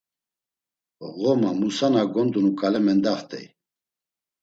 Ğoma Musa na gondunu ǩale mendaxt̆ey.